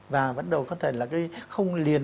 và bắt đầu có thể là cái không liền